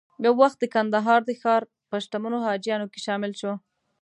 یو وخت د کندهار د ښار په شتمنو حاجیانو کې شامل شو.